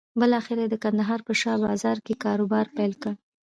بالاخره یې د کندهار په شا بازار کې کاروبار پيل کړ.